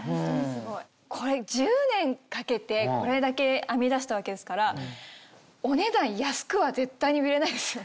これ１０年かけてこれだけ編み出したわけですからお値段安くは絶対に売れないですよね？